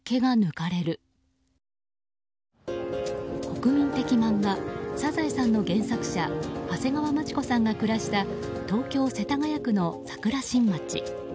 国民的漫画「サザエさん」の原作者長谷川町子さんが暮らした東京・世田谷区の桜新町。